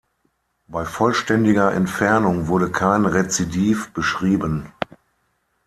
Bei vollständiger Entfernung wurde kein Rezidiv beschrieben.